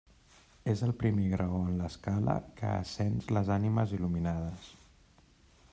És el primer graó en l'escala que ascens les ànimes il·luminades.